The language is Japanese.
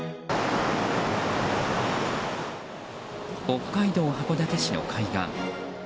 北海道函館市の海岸。